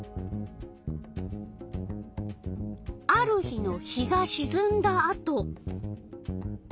ある日の日がしずんだあと。